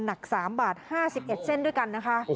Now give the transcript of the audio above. หนัก๓บาท๕๑เส้นด้วยกันนะคะ